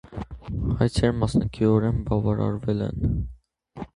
Հայցերը մասնակիորեն բավարարվել են։